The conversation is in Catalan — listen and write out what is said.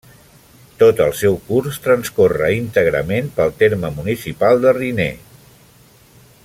Tot el seu curs transcorre íntegrament pel terme municipal de Riner.